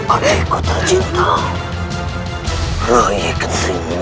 adikku tercinta rai keseimu